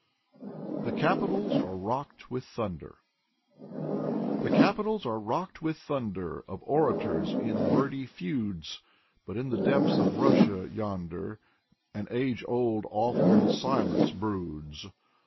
30 Nikolai Nekrasov 31 " THE CAPITALS ARE ROCKED WITH THUNDER " The capitals are rocked with thunder Of orators in wordy feuds. But in the depths of Russia, yonder, An age old awful silence broods.